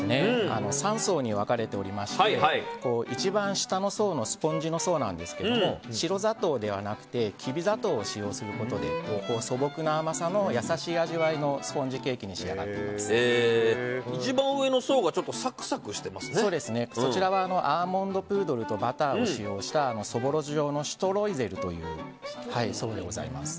３層に分かれておりまして一番下の層のスポンジの層なんですが白砂糖ではなくてきび砂糖を使用することで素朴な甘さの優しい味わいのスポンジケーキに一番上の層がそちらはアーモンドプードルとバターを使用したそぼろ状のシュトロイゼルという層でございます。